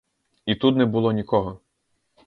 І тут не було нікого.